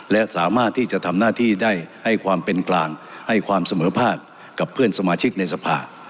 และสามารถที่จะทำหน้าที่ได้ให้ความเป็นกลางให้ความเสมอภาคกับเพื่อนสมาชิกในสภา